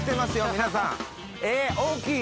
皆さん。